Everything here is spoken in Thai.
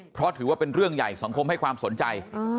เพราะถือว่าเป็นเรื่องใหญ่สังคมให้ความสนใจ